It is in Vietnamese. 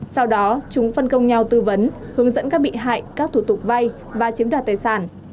sau đó chúng phân công nhau tư vấn hướng dẫn các bị hại các thủ tục vay và chiếm đoạt tài sản